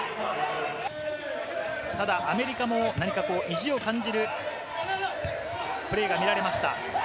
ただアメリカも何か意地を感じるプレーが見られました。